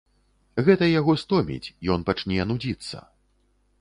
Гэта яго стоміць, ён пачне нудзіцца.